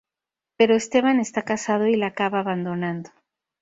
Pero Esteban está casado y la acaba abandonando.